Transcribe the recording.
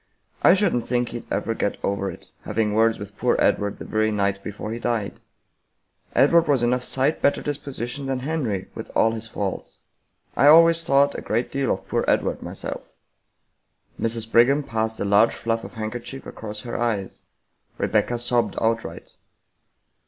I shouldn't think he'd ever get over it, having words with poor Edward the very night before he died. Edward was enough sight better disposition than Henry, with all his faults. I always thought a great deal of poor Edward, myself." Mrs. Brigham passed a large fluff of handkerchief across her eyes; Rebecca sobbed outright.